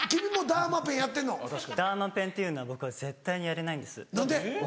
ダーマペンっていうのは僕は絶対にやれないんです。